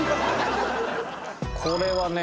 これはね